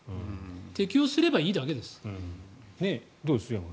適応すればいいだけです。